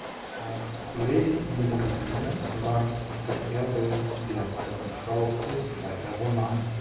Nach "Lady Melusine" war "Das Erbe der zweiten Frau" ihr zweiter Roman.